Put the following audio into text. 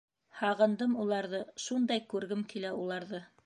Һағындым уларҙы, шундай күргем килә уларҙы.